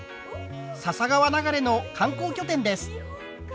笹川流れの観光拠点です。